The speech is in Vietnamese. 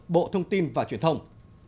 bộ thông tin và truyền thông